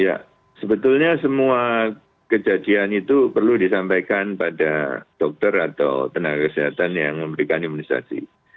ya sebetulnya semua kejadian itu perlu disampaikan pada dokter atau tenaga kesehatan yang memberikan imunisasi